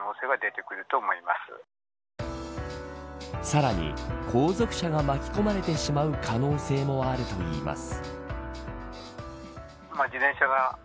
さらに、後続車が巻き込まれてしまう可能性もあるといいます。